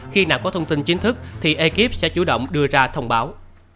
khi nào có thông tin chính thức thì ekip sẽ chủ động đưa ra thông báo